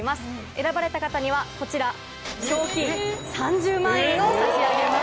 選ばれた方にはこちら賞金３０万円を差し上げます。